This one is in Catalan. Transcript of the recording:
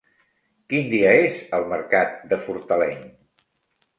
Quin dia és el mercat de Fortaleny?